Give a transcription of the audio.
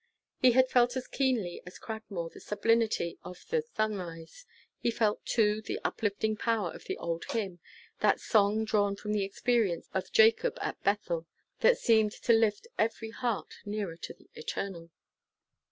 He had felt as keenly as Cragmore the sublimity of the sunrise. He felt, too, the uplifting power of the old hymn, that song drawn from the experience of Jacob at Bethel, that seemed to lift every heart nearer to the Eternal.